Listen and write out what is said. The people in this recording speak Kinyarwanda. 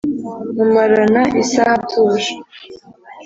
Mumarana isaha atuje,